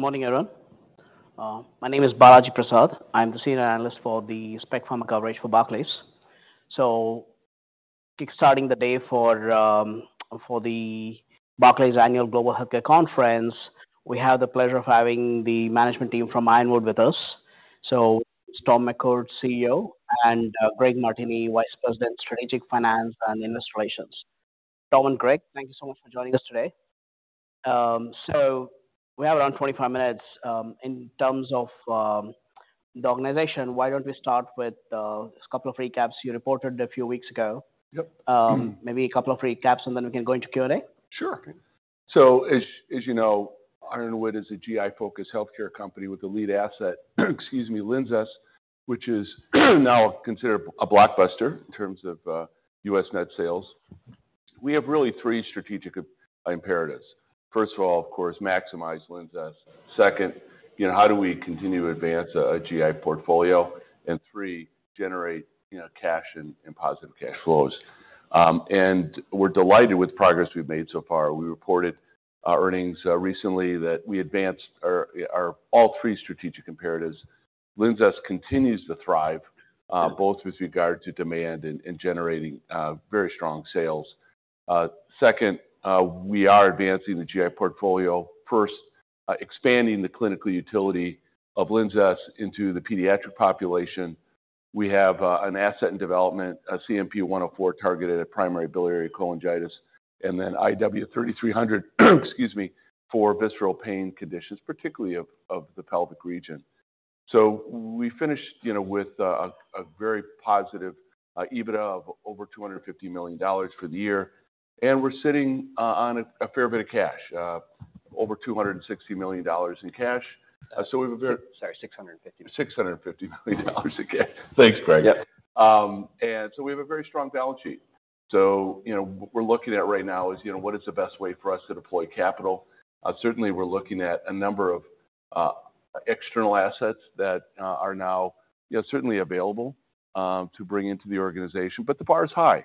Good morning, everyone. My name is Balaji Prasad. I'm the senior analyst for the spec pharma coverage for Barclays. Kick-starting the day for the Barclays Annual Global Healthcare Conference, we have the pleasure of having the management team from Ironwood with us. Tom McCourt, CEO, and Greg Martini, Vice President, Strategic Finance and Administrations. Tom and Greg, thank you so much for joining us today. We have around 25 minutes. In terms of the organization, why don't we start with just a couple of recaps you reported a few weeks ago. Yep. Maybe a couple of recaps, and then we can go into Q&A. As you know, Ironwood is a GI-focused healthcare company with a lead asset, excuse me, LINZESS, which is now considered a blockbuster in terms of U.S. Net sales. We have really three strategic imperatives. First of all, of course, maximize LINZESS. Second, you know, how do we continue to advance a GI portfolio? Three, generate, you know, cash and positive cash flows. We're delighted with the progress we've made so far. We reported earnings recently that we advanced our all three strategic imperatives. LINZESS continues to thrive both with regard to demand and generating very strong sales. Second, we are advancing the GI portfolio. First, expanding the clinical utility of LINZESS into the pediatric population. We have an asset in development, CNP-104, targeted at primary biliary cholangitis, and then IW-3300, excuse me, for visceral pain conditions, particularly of the pelvic region. We finished, you know, with a very positive EBITDA of over $250 million for the year, and we're sitting on a fair bit of cash. Over $260 million in cash. We have a very. Sorry, $650 million. $650 million in cash. Thanks, Greg. Yeah. We have a very strong balance sheet. You know, we're looking at right now is, you know, what is the best way for us to deploy capital? Certainly we're looking at a number of external assets that are now, you know, certainly available to bring into the organization, but the bar is high.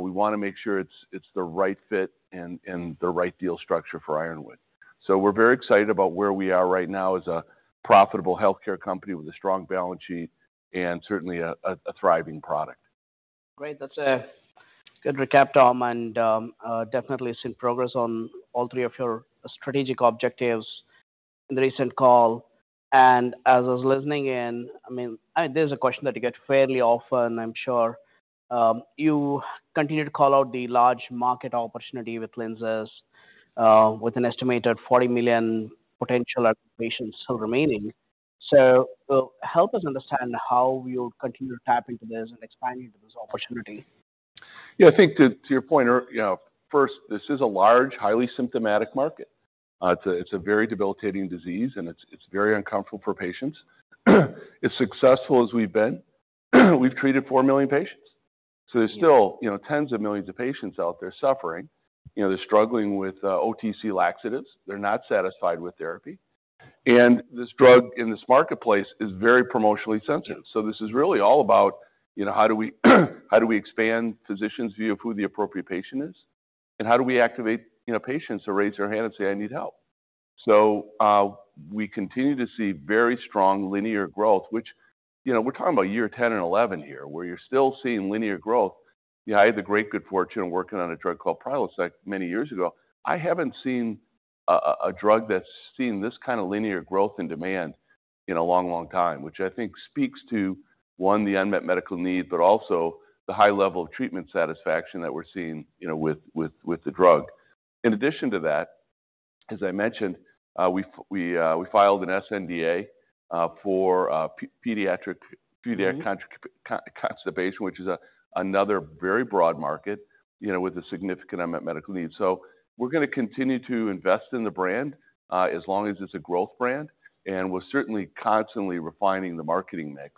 We wanna make sure it's the right fit and the right deal structure for Ironwood. We're very excited about where we are right now as a profitable healthcare company with a strong balance sheet and certainly a thriving product. Great. That's a good recap, Tom, and definitely seen progress on all three of your strategic objectives in the recent call. As I was listening in, I mean, there's a question that you get fairly often, I'm sure. You continue to call out the large market opportunity with LINZESS, with an estimated 40 million potential patients still remaining. Help us understand how you'll continue to tap into this and expand into this opportunity. I think to your point, or, you know, first, this is a large, highly symptomatic market. It's a very debilitating disease, and it's very uncomfortable for patients. As successful as we've been, we've treated 4 million patients, so there's still... Yeah You know, tens of millions of patients out there suffering. You know, they're struggling with OTC laxatives. They're not satisfied with therapy. This drug in this marketplace is very promotionally sensitive. This is really all about, you know, how do we, how do we expand physicians' view of who the appropriate patient is? How do we activate, you know, patients to raise their hand and say, "I need help"? We continue to see very strong linear growth, which, you know, we're talking about year 10 and 11 here, where you're still seeing linear growth. You know, I had the great good fortune of working on a drug called Prilosec many years ago. I haven't seen a drug that's seen this kind of linear growth and demand in a long, long time, which I think speaks to, one, the unmet medical need, but also the high level of treatment satisfaction that we're seeing, you know, with the drug. In addition to that, as I mentioned, we filed an sNDA for pediatric- Mm-hmm... pediatric constipation, which is a, another very broad market, you know, with a significant unmet medical need. We're gonna continue to invest in the brand, as long as it's a growth brand, and we're certainly constantly refining the marketing mix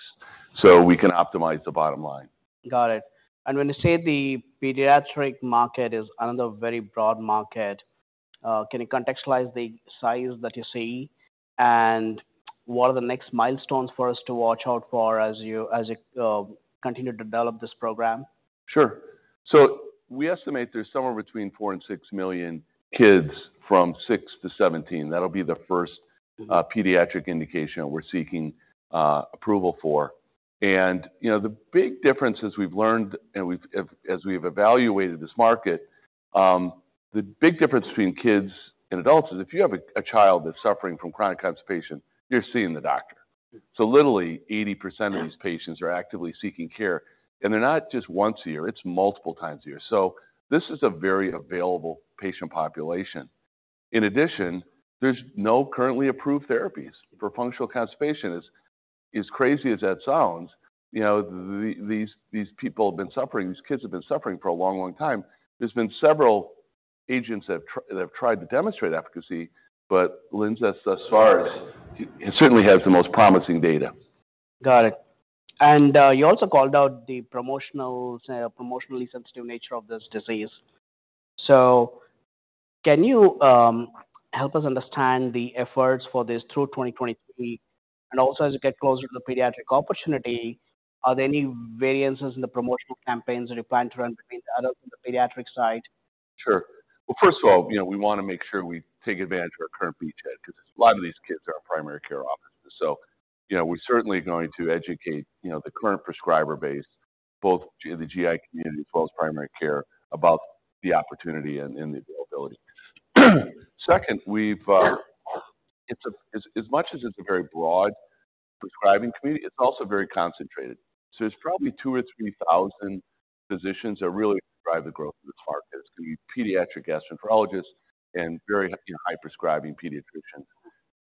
so we can optimize the bottom line. Got it. When you say the pediatric market is another very broad market, can you contextualize the size that you see, and what are the next milestones for us to watch out for as you continue to develop this program? Sure. We estimate there's somewhere between 4 and 6 million kids from 6-17. That'll be the first pediatric indication we're seeking approval for. You know, the big difference is we've learned and as we've evaluated this market, the big difference between kids and adults is if you have a child that's suffering from chronic constipation, you're seeing the doctor. Yeah. Literally 80% of these patients are actively seeking care. They're not just once a year. It's multiple times a year. This is a very available patient population. In addition, there's no currently approved therapies for functional constipation. As crazy as that sounds, you know, the, these people have been suffering, these kids have been suffering for a long, long time. There's been several agents that have tried to demonstrate efficacy, but LINZESS thus far certainly has the most promising data. Got it. You also called out the promotionals, promotionally sensitive nature of this disease. Can you help us understand the efforts for this through 2023? As you get closer to the pediatric opportunity, are there any variances in the promotional campaigns that you plan to run between the adult and the pediatric side? Sure. Well, first of all, you know, we wanna make sure we take advantage of our current beachhead 'cause a lot of these kids are in primary care offices. You know, we're certainly going to educate, you know, the current prescriber base, both the GI community as well as primary care about the opportunity and the availability. Second, we've. As much as it's a very broad prescribing community, it's also very concentrated. There's probably 2,000 or 3,000 physicians that really drive the growth of this market. It's gonna be pediatric gastroenterologists and very, you know, high-prescribing pediatricians.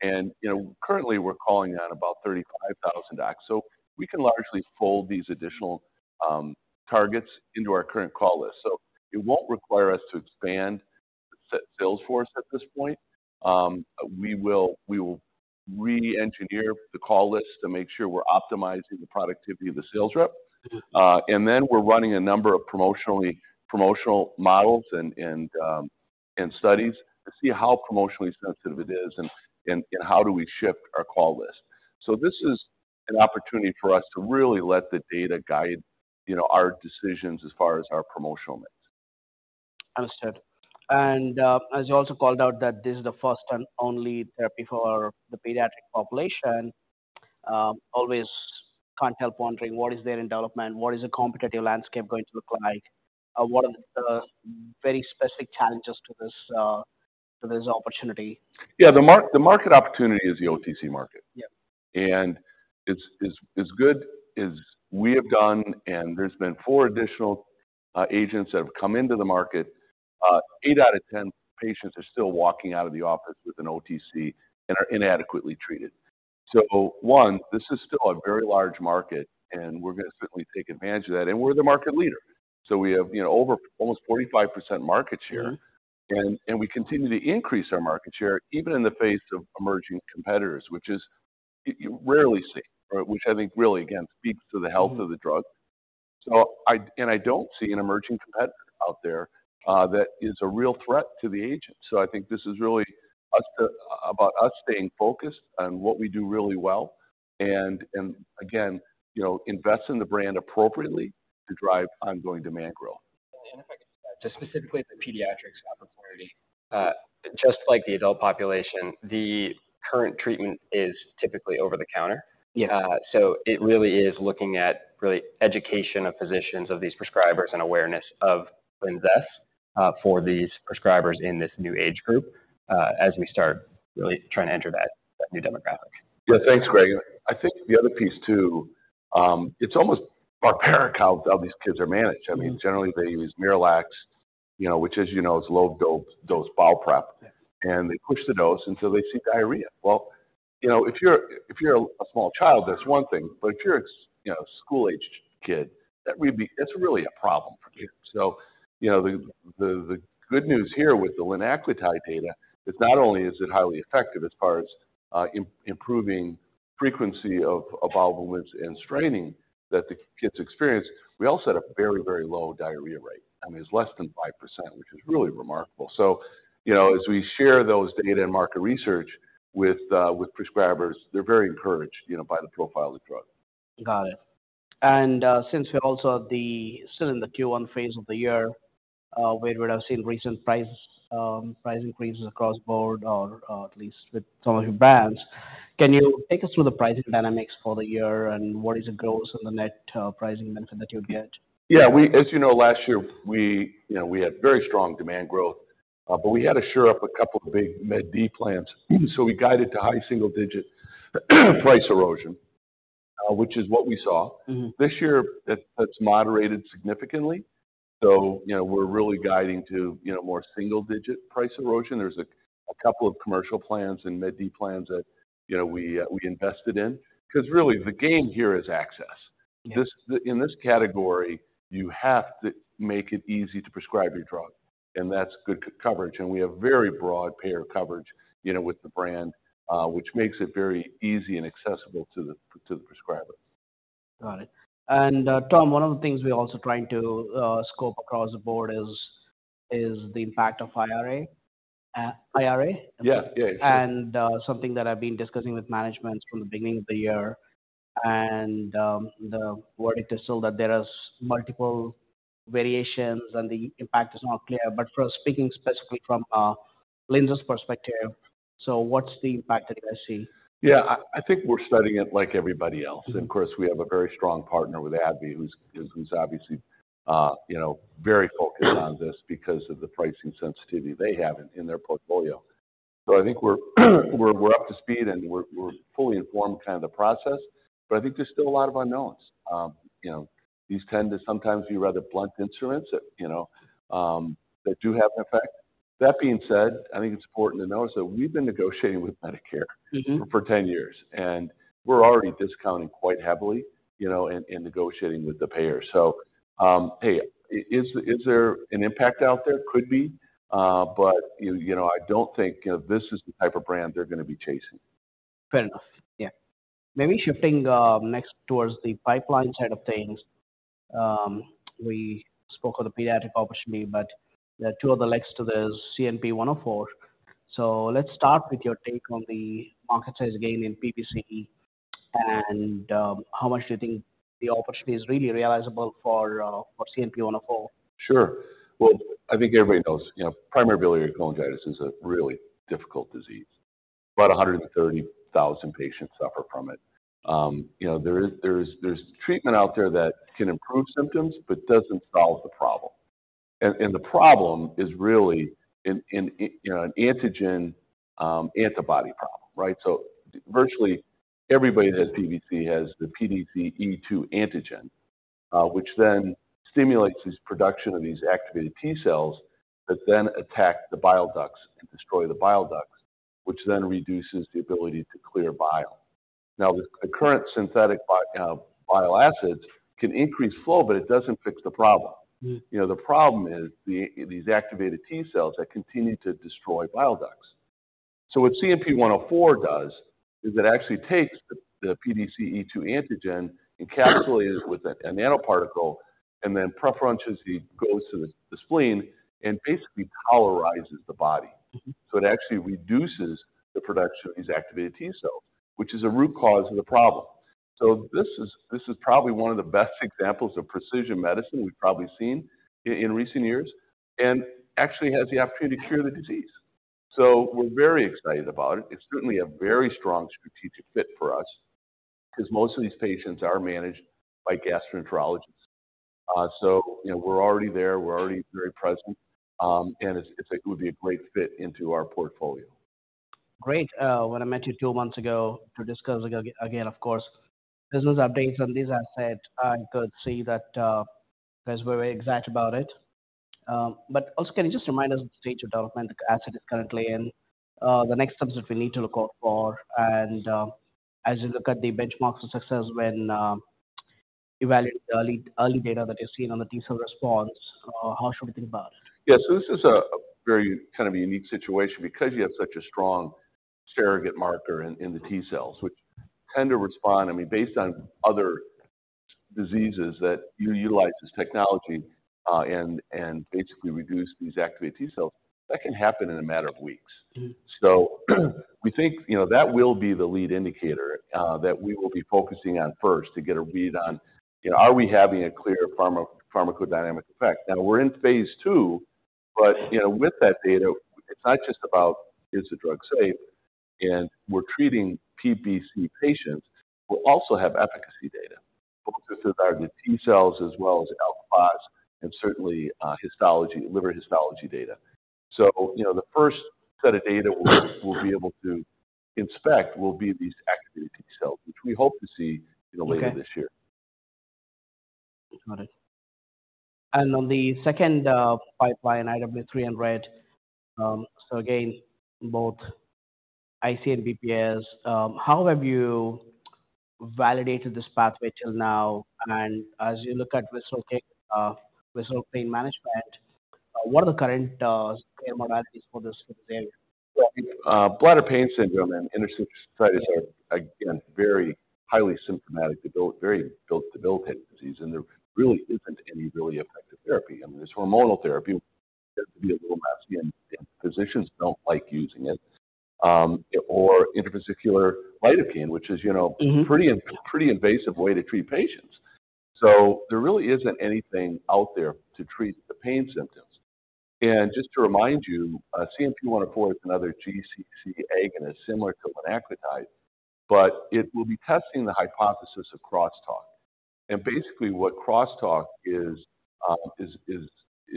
You know, currently, we're calling on about 35,000 docs. We can largely fold these additional targets into our current call list. It won't require us to expand the sales force at this point. We will re-engineer the call list to make sure we're optimizing the productivity of the sales rep. Then we're running a number of promotional models and studies to see how promotionally sensitive it is and how do we shift our call list. This is an opportunity for us to really let the data guide, you know, our decisions as far as our promotional mix. Understood. As you also called out that this is the first and only therapy for the pediatric population, always can't help wondering what is there in development, what is the competitive landscape going to look like? What are the very specific challenges to this to this opportunity? Yeah. The market opportunity is the OTC market. Yeah. It's as good as we have done, there's been four additional agents that have come into the market, eight out of ten patients are still walking out of the office with an OTC and are inadequately treated. This is still a very large market, we're gonna certainly take advantage of that, we're the market leader. We have, you know, over almost 45% market share. Mm-hmm. We continue to increase our market share even in the face of emerging competitors, which you rarely see, right? Which I think really, again, speaks to the health of the drug. I don't see an emerging competitor out there that is a real threat to the agent. I think this is really us about us staying focused on what we do really well and again, you know, invest in the brand appropriately to drive ongoing demand growth. If I could just add, just specifically the pediatrics opportunity. Just like the adult population, the current treatment is typically over the counter. Yeah. It really is looking at really education of physicians, of these prescribers, and awareness of LINZESS, for these prescribers in this new age group, as we start really trying to enter that new demographic. Yeah. Thanks, Greg. I think the other piece too, it's almost barbaric how these kids are managed. I mean, generally, they use MiraLAX, you know, which as you know is low dose bowel prep. Yeah. They push the dose until they see diarrhea. You know, if you're, if you're a small child, that's one thing. If you're, you know, a school-aged kid, it's really a problem for kids. You know, the good news here with the linaclotide data is not only is it highly effective as far as improving frequency of bowel movements and straining that the kids experience, we also had a very, very low diarrhea rate. I mean, it's less than 5%, which is really remarkable. You know, as we share those data and market research with prescribers, they're very encouraged, you know, by the profile of the drug. Got it. Since we're also still in the Q1 phase of the year, where we'd have seen recent price increases across board or at least with some of your brands, can you take us through the pricing dynamics for the year and what is the gross and the net, pricing momentum that you'd get? Yeah. As you know, last year, we, you know, we had very strong demand growth. We had to shore up a couple of big Part D plans, so we guided to high single-digit price erosion, which is what we saw. Mm-hmm. This year, that's moderated significantly. You know, we're really guiding to, you know, more single-digit price erosion. There's a couple of commercial plans and Part D plans that, you know, we invested in. 'Cause really, the game here is access. Yeah. In this category, you have to make it easy to prescribe your drug, and that's good coverage. We have very broad payer coverage, you know, with the brand, which makes it very easy and accessible to the prescriber. Got it. Tom, one of the things we're also trying to scope across the board is the impact of IRA. IRA? Yeah. Yeah. Sure. Something that I've been discussing with management from the beginning of the year, and the word is still that there is multiple variations, and the impact is not clear. For us, speaking specifically from LINZESS perspective, what's the impact that you guys see? I think we're studying it like everybody else. Of course, we have a very strong partner with AbbVie, who's obviously, you know, very focused on this because of the pricing sensitivity they have in their portfolio. I think we're up to speed, and we're fully informed kind of the process. I think there's still a lot of unknowns. You know, these tend to sometimes be rather blunt instruments that, you know, that do have an effect. That being said, I think it's important to know is that we've been negotiating with Medicare. Mm-hmm... for 10 years, We're already discounting quite heavily, you know, in negotiating with the payers. Hey, is there an impact out there? Could be. You know, I don't think this is the type of brand they're gonna be chasing. Fair enough. Yeah. Maybe shifting next towards the pipeline side of things. We spoke of the pediatric obviously, but there are two other legs to this CNP-104. Let's start with your take on the market size gain in PBC. How much do you think the opportunity is really realizable for CNP-104? Sure. Well, I think everybody knows, you know, primary biliary cholangitis is a really difficult disease. About 130,000 patients suffer from it. You know, there's treatment out there that can improve symptoms but doesn't solve the problem. The problem is really an, you know, an antigen, antibody problem, right? Virtually everybody that has PBC has the PDC-E2 Antigen, which then stimulates this production of these activated T-cells that then attack the bile ducts and destroy the bile ducts, which then reduces the ability to clear bile. Now, the current synthetic bile acids can increase flow, but it doesn't fix the problem. Mm-hmm. You know, the problem is these activated T-cells that continue to destroy bile ducts. What CNP-104 does is it actually takes the PDC-E2 Antigen, encapsulates with a nanoparticle, and then preferentially goes to the spleen and basically tolerizes the body. Mm-hmm. It actually reduces the production of these activated T-cells, which is a root cause of the problem. This is probably one of the best examples of precision medicine we've probably seen in recent years, and actually has the opportunity to cure the disease. We're very excited about it. It's certainly a very strong strategic fit for us 'cause most of these patients are managed by gastroenterologists. You know, we're already there, we're already very present, and it's a great fit into our portfolio. Great. When I met you two months ago to discuss again, of course, business updates on these assets, I could see that, you guys were very excited about it. Also, can you just remind us the stage of development the asset is currently in, the next steps that we need to look out for? As you look at the benchmarks for success when, evaluating the early data that is seen on the T-cell response, how should we think about it? Yeah. This is a very kind of a unique situation because you have such a strong surrogate marker in the T-cells, which tend to respond. I mean, based on other diseases that you utilize this technology, and basically reduce these activated T-cells, that can happen in a matter of weeks. Mm-hmm. We think, you know, that will be the lead indicator that we will be focusing on first to get a read on, you know, are we having a clear pharmaco-pharmacodynamic effect. We're in Phase II, but, you know, with that data, it's not just about is the drug safe and we're treating PBC patients. We'll also have efficacy data both with regard to T-cells as well as Alk Phos and certainly histology, liver histology data. The first set of data we'll be able to inspect will be these activated T-cells, which we hope to see, you know, later this year. Okay. Got it. On the second, pipeline, IW-3300, again, both IC and BPS. How have you validated this pathway till now? As you look at visceral pain, visceral pain management, what are the current, treatment modalities for this specific area? Well, bladder pain syndrome and interstitial cystitis are, again, very highly symptomatic, very debilitating disease, there really isn't any really effective therapy. I mean, there's hormonal therapy, tends to be a little messy, and physicians don't like using it. Intravesical lidocaine, which is, you know... Mm-hmm ...pretty invasive way to treat patients. There really isn't anything out there to treat the pain symptoms. Just to remind you, CNP-104 is another GCC agonist, similar to apraglutide, but it will be testing the hypothesis of crosstalk. Basically, what crosstalk is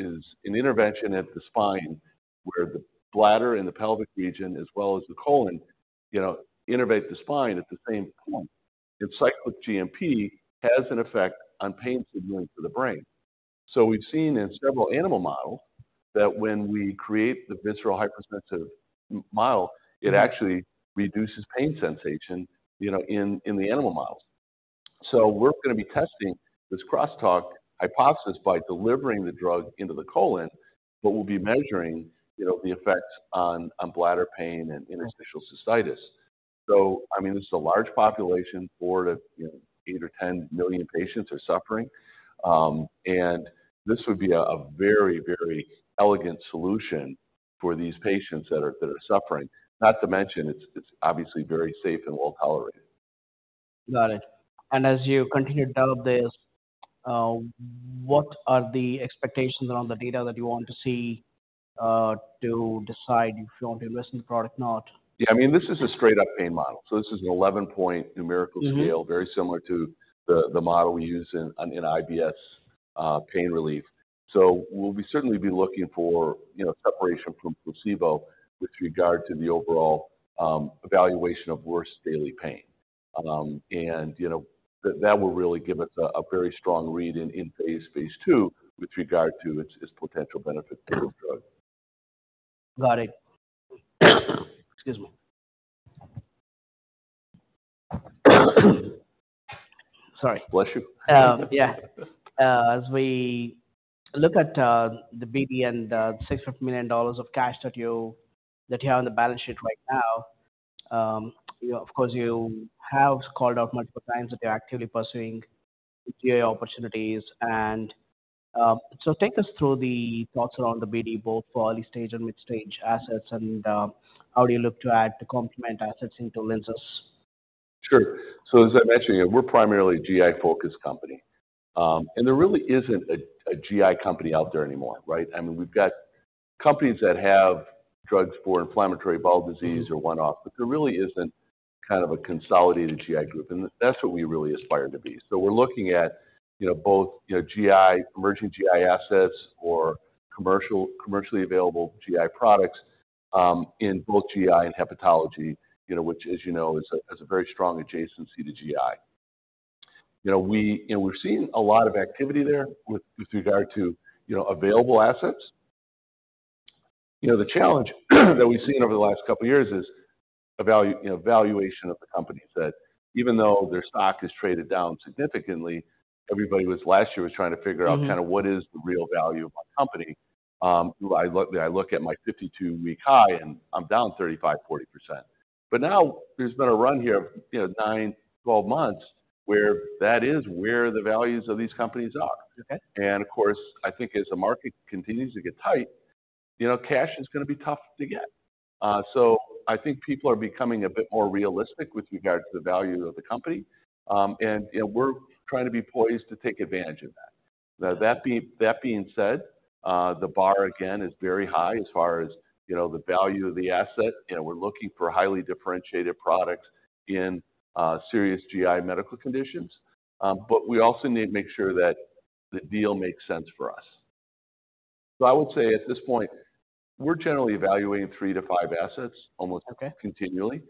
an intervention at the spine where the bladder and the pelvic region, as well as the colon, you know, innervate the spine at the same point. Cyclic GMP has an effect on pain signaling to the brain. We've seen in several animal models that when we create the visceral hypersensitive m-model- Mm-hmm ...it actually reduces pain sensation, you know, in the animal models. We're gonna be testing this crosstalk hypothesis by delivering the drug into the colon, but we'll be measuring, you know, the effects on bladder pain and interstitial cystitis. I mean, this is a large population, 4 to, you know, 8 or 10 million patients are suffering. And this would be a very, very elegant solution for these patients that are, that are suffering. Not to mention, it's obviously very safe and well-tolerated. Got it. As you continue to develop this, what are the expectations around the data that you want to see, to decide if you want to invest in the product or not? Yeah, I mean, this is a straight-up pain model. This is an 11-point numerical scale. Mm-hmm ...very similar to the model we use in IBS, pain relief. We'll be certainly be looking for, you know, separation from placebo with regard to the overall evaluation of worse daily pain. You know, that will really give us a very strong read in phase II with regard to its potential benefit to the drug. Got it. Excuse me. Sorry. Bless you. Yeah. As we look at the BD and the $600 million of cash that you have on the balance sheet right now, you know, of course, you have called out multiple times that you're actively pursuing M&A opportunities. Take us through the thoughts around the BD, both for early stage and mid stage assets, and how do you look to add to complement assets into LINZESS? Sure. As I mentioned, we're primarily a GI-focused company. There really isn't a GI company out there anymore, right? I mean, we've got companies that have drugs for inflammatory bowel disease or one-off, but there really isn't kind of a consolidated GI group, and that's what we really aspire to be. We're looking at, you know, both, you know, GI, emerging GI assets or commercially available GI products, in both GI and hepatology, you know, which as you know, is a very strong adjacency to GI. You know, and we're seeing a lot of activity there with regard to, you know, available assets. You know, the challenge that we've seen over the last couple of years is a value, you know, valuation of the companies that even though their stock has traded down significantly, everybody was last year was trying to figure out. Mm-hmm. what is the real value of my company. I look at my 52-week high and I'm down 35%, 40%. Now there's been a run here of, you know, 9, 12 months where that is where the values of these companies are. Okay. Of course, I think as the market continues to get tight, you know, cash is gonna be tough to get. I think people are becoming a bit more realistic with regard to the value of the company. You know, we're trying to be poised to take advantage of that. That being said, the bar again is very high as far as, you know, the value of the asset. You know, we're looking for highly differentiated products in serious GI medical conditions. We also need to make sure that the deal makes sense for us. I would say at this point, we're generally evaluating three-five assets almost- Okay. continually.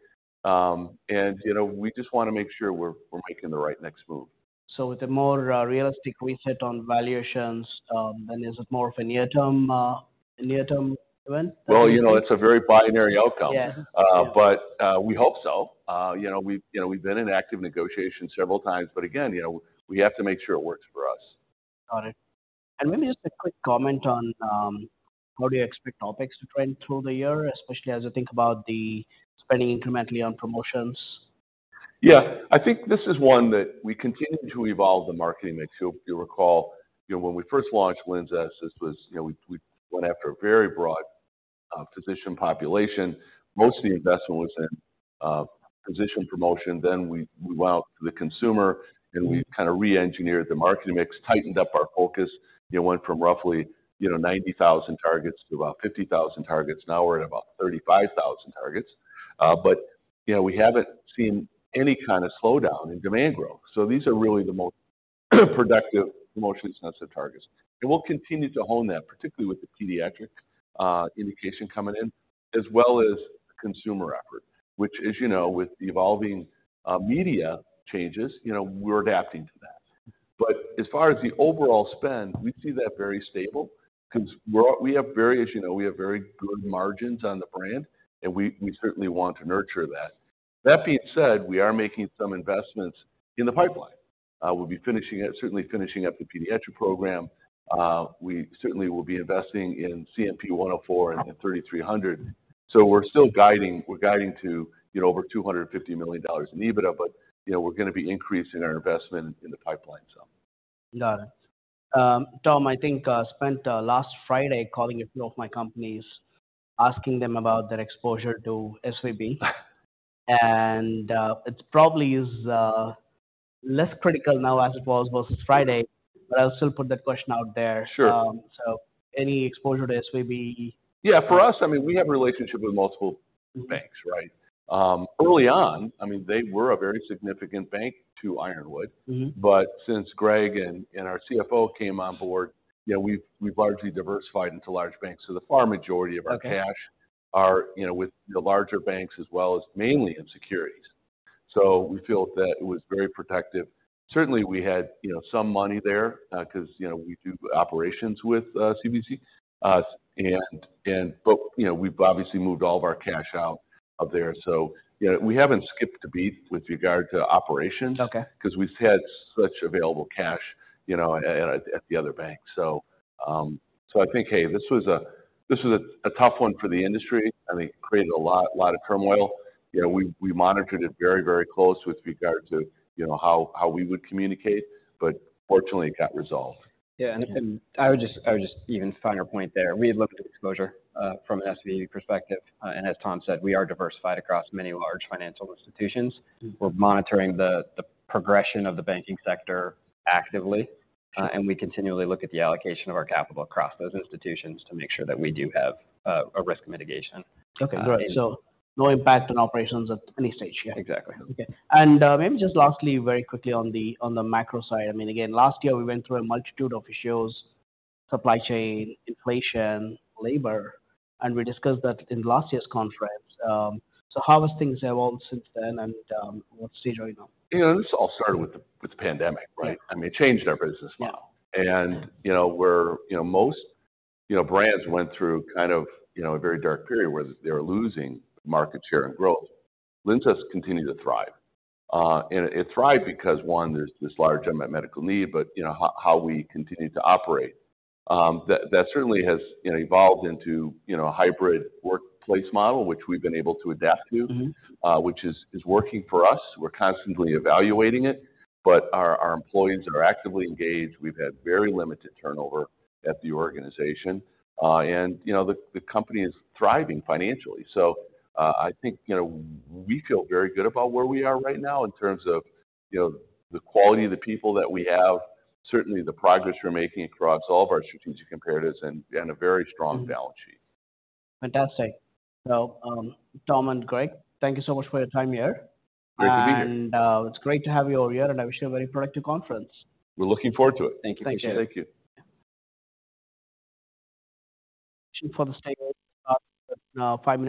you know, we just wanna make sure we're making the right next move. The more realistic we set on valuations, then is it more of a near-term event? Well, you know, it's a very binary outcome. Yeah. We hope so. You know, we've been in active negotiations several times, but again, you know, we have to make sure it works for us. Got it. Maybe just a quick comment on how do you expect OpEx to trend through the year, especially as you think about the spending incrementally on promotions? Yeah. I think this is one that we continue to evolve the marketing mix. You'll, if you recall, you know, when we first launched LINZESS, this was, you know, we went after a very broad physician population. Most of the investment was in physician promotion. we went out to the consumer and we kinda reengineered the marketing mix, tightened up our focus. You know, went from roughly, you know, 90,000 targets to about 50,000 targets. Now we're at about 35,000 targets. but, you know, we haven't seen any kinda slowdown in demand growth. these are really the most productive, emotionally sensitive targets. we'll continue to hone that, particularly with the pediatric indication coming in, as well as the consumer effort, which as you know, with the evolving media changes, you know, we're adapting to that. As far as the overall spend, we see that very stable 'cause we're, as you know, we have very good margins on the brand and we certainly want to nurture that. That being said, we are making some investments in the pipeline. We'll be certainly finishing up the pediatric program. We certainly will be investing in CNP-104 and IW-3300. We're still guiding to, you know, over $250 million in EBITDA, but, you know, we're gonna be increasing our investment in the pipeline. Got it. Tom, I think spent last Friday calling a few of my companies asking them about their exposure to SVB. It probably is less critical now as it was versus Friday, but I'll still put that question out there. Sure. Any exposure to SVB? Yeah. For us, I mean, we have relationship with multiple banks, right? early on, I mean, they were a very significant bank to Ironwood. Mm-hmm. Since Greg and our CFO came on board, you know, we've largely diversified into large banks. The far majority of our cash-. Okay. you know, with the larger banks as well as mainly in securities. We feel that it was very protective. Certainly we had, you know, some money there, 'cause, you know, we do operations with SVB. And but, you know, we've obviously moved all of our cash out of there. You know, we haven't skipped a beat with regard to operations. Okay. 'cause we've had such available cash, you know, at the other bank. I think, hey, this was a tough one for the industry. I mean, created a lot of turmoil. You know, we monitored it very close with regard to, you know, how we would communicate. Fortunately it got resolved. Yeah. I would just even finer point there. We had looked at exposure, from an SVB perspective. As Tom said, we are diversified across many large financial institutions. Mm-hmm. We're monitoring the progression of the banking sector actively. We continually look at the allocation of our capital across those institutions to make sure that we do have a risk mitigation. Okay, great. No impact on operations at any stage. Yeah. Exactly. Okay. Maybe just lastly very quickly on the, on the macro side. I mean, again, last year we went through a multitude of issues, supply chain, inflation, labor, and we discussed that in last year's conference. How has things evolved since then and what's the journey now? You know, this all started with the pandemic, right? Yeah. I mean, it changed our business model. Yeah. you know, we're, you know, most, you know, brands went through kind of, you know, a very dark period where they were losing market share and growth. LINZESS continued to thrive. It thrived because one, there's this large unmet medical need, but you know, how we continued to operate. That certainly has, you know, evolved into, you know, a hybrid workplace model which we've been able to adapt to. Mm-hmm. Which is working for us. We're constantly evaluating it, but our employees are actively engaged. We've had very limited turnover at the organization. You know, the company is thriving financially. I think, you know, we feel very good about where we are right now in terms of, you know, the quality of the people that we have, certainly the progress we're making across all of our strategic imperatives and a very strong balance sheet. Fantastic. Well, Tom and Greg, thank you so much for your time here. Great to be here. It's great to have you all here and I wish you a very productive conference. We're looking forward to it. Thank you. Thank you. Appreciate it. Thank you. For the sake of, five minutes.